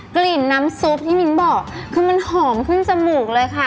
กลิ่นน้ำซุปที่มิ้นบอกคือมันหอมขึ้นจมูกเลยค่ะ